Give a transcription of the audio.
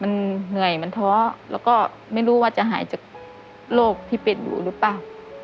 มันเหนื่อยมันท้อแล้วก็ไม่รู้ว่าจะหายจากโรคที่เป็นอยู่หรือเปล่า